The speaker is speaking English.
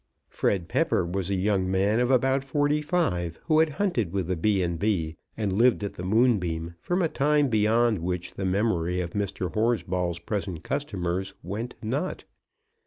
Fred Pepper was a young man of about forty five, who had hunted with the B. and B., and lived at the Moonbeam from a time beyond which the memory of Mr. Horsball's present customers went not.